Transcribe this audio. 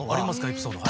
エピソードが。